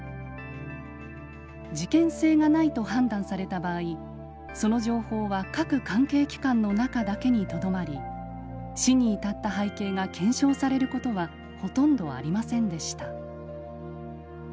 事件性がないと判断された場合その情報は各関係機関の中だけにとどまり死に至った背景が検証されることはほとんどありませんでした。